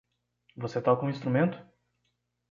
Você toca um instrumento?